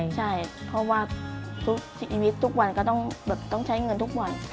ใช่เพราะว่าทุกชีวิตทุกวันก็ต้องใช้เงินทุกวัน